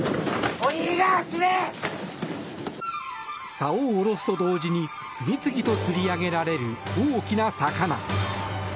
さおを下ろすと同時に次々と釣り上げられる大きな魚。